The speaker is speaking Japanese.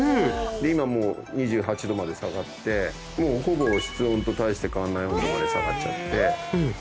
今もう２８℃まで下がってもうほぼ室温と大して変わんない温度まで下がっちゃって。